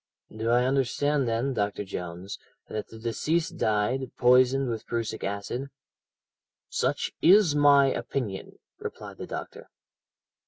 "'Do I understand, then, Dr. Jones, that the deceased died, poisoned with prussic acid?' "'Such is my opinion,' replied the doctor.